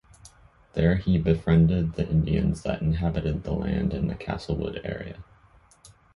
There he befriended the Indians that inhabited the land in the Castlewood area.